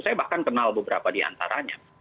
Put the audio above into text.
saya bahkan kenal beberapa diantaranya